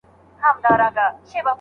داسي اور دی چي نه مري او نه سړیږي